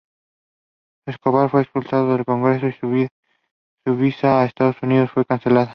Escobar fue expulsado del Congreso y su visa a Estados Unidos fue cancelada.